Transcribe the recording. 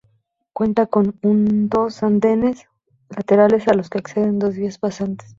Cuenta con un dos andenes laterales a los que acceden dos vías pasantes.